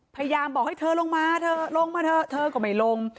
พยายามบอกให้เธอลงมาเถอะลงมาเถอะเธอก็ไม่ลง